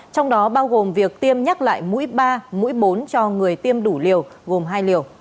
trong đó bao gồm việc tiêm nhắc lại mũi ba mũi bốn cho người tiêm đủ liều gồm hai liều